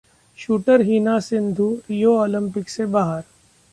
shooter Heena Sidhu Rio Olympic से बाहर